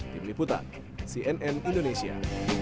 tim liputan cnn indonesia